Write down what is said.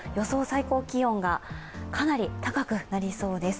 最高気温がかなり高くなりそうです。